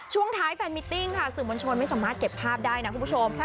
ช่วงท้ายแฟนมิตติ้งค่ะสื่อมวลชนไม่สามารถเก็บภาพได้นะคุณผู้ชม